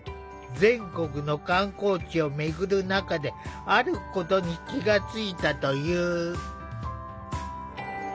全国の観光地を巡る中であることに気が付いたという。